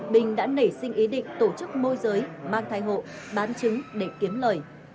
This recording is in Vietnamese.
bình đã nể sinh ý định tổ chức môi giới mang thai hộ bán trứng để kiếm lời